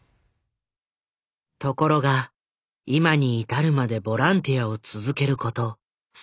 ところが今に至るまでボランティアを続けること３０年。